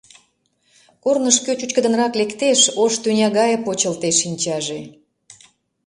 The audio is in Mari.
Корныш кӧ чӱчкыдынрак лектеш, ош тӱня гае почылтеш шинчаже.